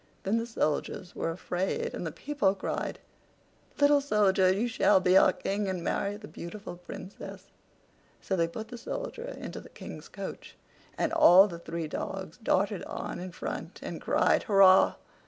Then the soldiers were afraid, and the people cried: "Little Soldier, you shall be our king, and marry the beautiful Princess." So they put the Soldier into the King's coach, and all the three dogs darted on in front and cried "Hurrah!"